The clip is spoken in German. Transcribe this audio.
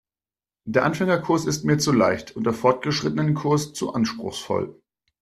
Der Anfängerkurs ist mir zu leicht und der Fortgeschrittenenkurs zu anspruchsvoll.